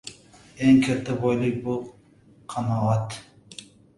Eng katta boylik — bu qanoat.